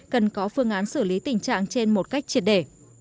cần có phương án xử lý tình trạng trên một cách triệt để